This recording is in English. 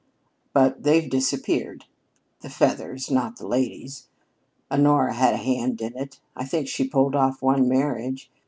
But they've disappeared the feathers, not the ladies. Honora had a hand in it. I think she pulled off one marriage.